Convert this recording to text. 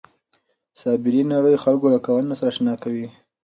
سایبري نړۍ خلک له قوانینو سره اشنا کوي.